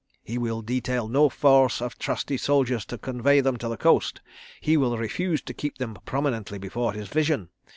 He will detail no force of trusty soldiers to convoy them to the coast. ... He will refuse to keep them prominently before his vision.